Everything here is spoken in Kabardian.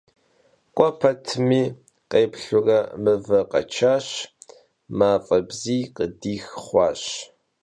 K'ue petmi kheplhure, mıver kheçaş, maf'e bziy khıdix xhuaş.